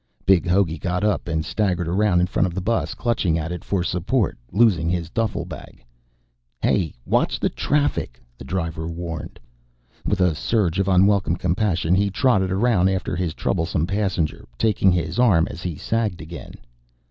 Big Hogey got up and staggered around in front of the bus, clutching at it for support, losing his duffle bag. "Hey, watch the traffic!" The driver warned. With a surge of unwelcome compassion he trotted around after his troublesome passenger, taking his arm as he sagged again.